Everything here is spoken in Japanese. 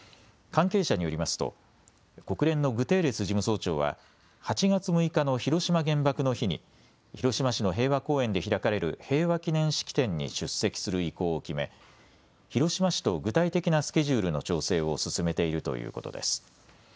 関係者によりますと国連のグテーレス事務総長は８月６日の広島原爆の日に広島市の平和公園で開かれる平和記念式典に出席する意向を決め広島市と具体的なスケジュールの調整を進めているということです。